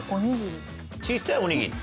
小さいおにぎり？